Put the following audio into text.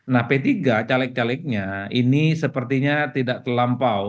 nah p tiga caleg calegnya ini sepertinya tidak terlampau